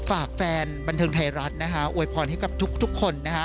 ฝากแฟนบันเทิงไทยรัฐอวยพรให้กับทุกคน